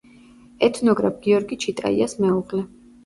ეთნოგრაფ გიორგი ჩიტაიას მეუღლე.